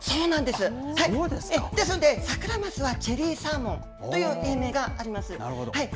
ですので、サクラマスはチェリーサーモンという英名があります。